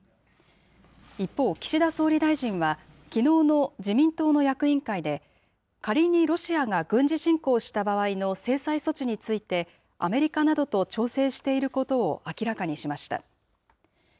一方、岸田総理大臣は、きのうの自民党の役員会で、仮にロシアが軍事侵攻した場合の制裁措置について、アメリカなどと調整していることを明らかにしました。